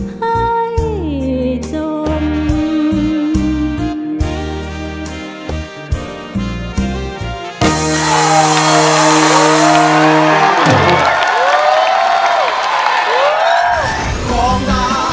ให้จม